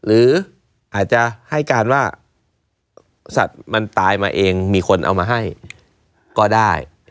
หรืออาจจะให้การว่าสัตว์มันตายมาเองมีคนเอามาให้ก็ได้